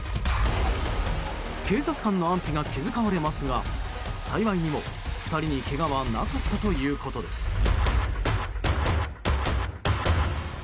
警察官の安否が気遣われますが幸いにも２人にけがはなかったということです。